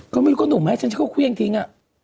ก็ไม่รู้ก็หนูให้ให้ฉันเขาเคลื่อนทิ้ง